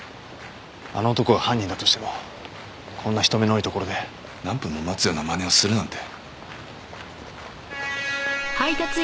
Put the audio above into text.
あの男が犯人だとしてもこんな人目の多いところで何分も待つようなまねをするなんて。